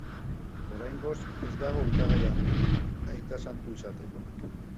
Oraingoz, ez dago hautagai argirik aita santu izateko.